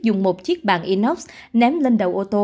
dùng một chiếc bàn inox ném lên đầu ô tô